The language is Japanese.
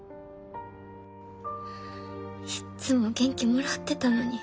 いっつも元気もらってたのに。